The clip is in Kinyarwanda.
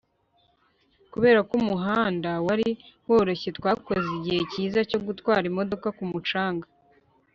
kubera ko umuhanda wari woroshye, twakoze igihe cyiza cyo gutwara imodoka ku mucanga